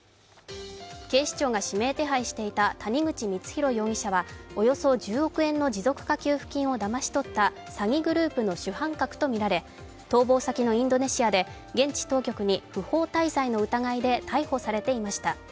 警視庁が指名手配していた谷口光弘容疑者は、およそ１０億円の持続化給付金をだまし取った詐欺グループの主犯格とみられ、逃亡先のインドネシアで現地当局に不法滞在の疑いで逮捕されていました。